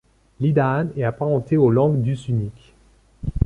L’ida’an est apparenté aux langues dusuniques.